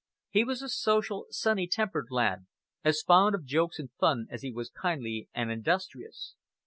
He was a social, sunny tempered lad, as fond of jokes and fun as he was kindly and industrious.